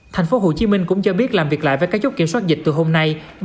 thành phố hồ chí minh cũng cho biết làm việc lại với các chốt kiểm soát dịch từ hôm nay